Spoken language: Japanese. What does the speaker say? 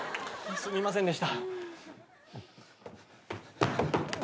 すいませんでした！